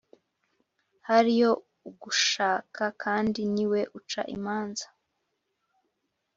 hariyo Ugushaka kandi ni we uca imanza